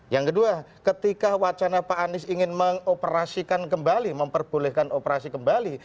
yang kedua ketika wacana pak anies ingin mengoperasikan kembali memperbolehkan operasi kembali